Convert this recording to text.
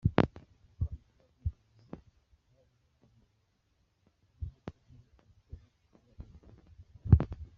Umukandida w'ingenzi bari bahanganye yavuze ko muri ayo matora habayemo utunenge.